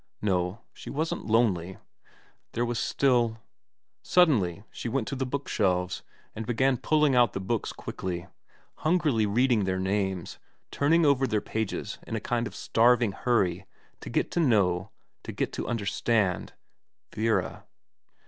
No, she wasn't lonely. There was still Suddenly she went to the bookshelves, and began pulling out the books quickly, hungrily reading their names, turning over their pages in a kind of starving hurry to get to know, to get to understand, Vera.